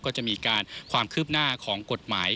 ก็จะมีการความคืบหน้าของกฎหมาย